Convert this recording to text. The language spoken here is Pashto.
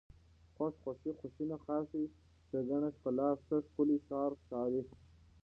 خوښ، خوښي، خوښېنه، خاښۍ، ښېګڼه، ښکلا، ښه، ښکلی، ښار، ښاري